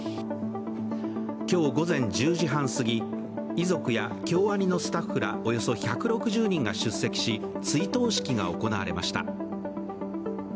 今日午前１０時半すぎ、遺族や京アニのスタッフらおよそ１６０人が出席し追悼式が行われました。